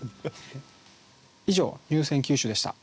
以上入選九首でした。